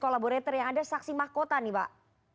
kolaborator yang ada saksi mahkota nih pak